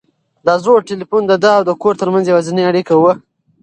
دا زوړ تلیفون د ده او د کور تر منځ یوازینۍ اړیکه وه.